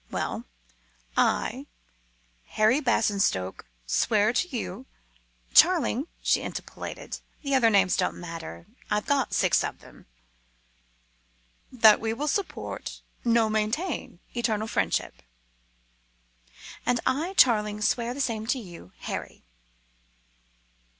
Well, I, Harry Basingstoke, swear to you " "Charling," she interpolated; "the other names don't matter. I've got six of them." "That we will support no, maintain eternal friendship." "And I, Charling, swear the same to you, Harry."